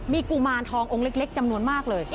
มีกุมารทององค์เล็กจำนวนมากเลย